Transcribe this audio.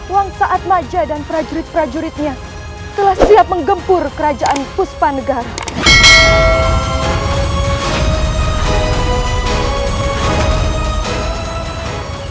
wang saat maja dan prajurit prajuritnya telah siap menggempur kerajaan puspa negara